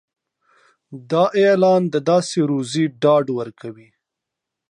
دا اعلان د داسې روزي ډاډ ورکوي.